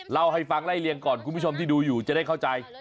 เล่าให้ฟังไล่เลี่ยงก่อนคุณผู้ชมที่ดูอยู่จะได้เข้าใจ